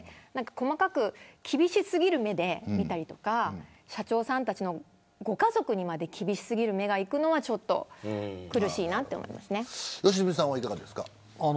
細かく厳し過ぎる目で見たりとか社長さんたちのご家族にまで厳し過ぎる目がいくのはちょっと良純さん、いかがですか。